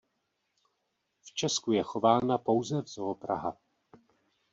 V Česku je chována pouze v Zoo Praha.